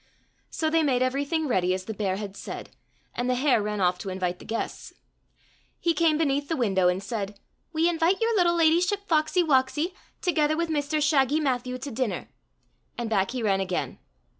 So they made everything ready as the bear had said, and the hare ran off to invite the guests. He came beneath the window and said, " We invite your Httle ladyship Foxey Woxey, together with Mr Shaggy Matthew, to dinner "— and back he ran again.